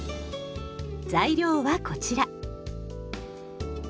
材料はこちら。